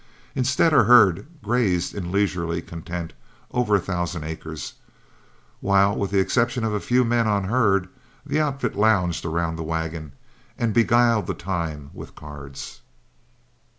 Instead, our herd grazed in leisurely content over a thousand acres, while with the exception of a few men on herd, the outfit lounged around the wagon and beguiled the time with cards.